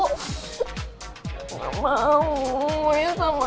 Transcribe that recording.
gak mau gue maunya sama sal